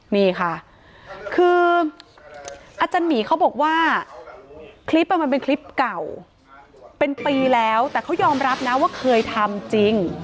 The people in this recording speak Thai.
นี่ค่ะคืออาจารย์หมีเขาบอกว่าคลิปมันเป็นคลิปเก่าเป็นปีแล้วแต่เขายอมรับนะว่าเคยทำจริง